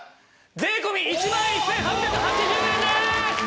税込１万１８８０円です。